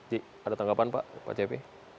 dik ada tanggapan pak pak jp